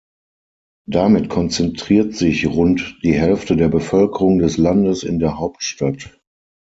Damit konzentriert sich rund die Hälfte der Bevölkerung des Landes in der Hauptstadt.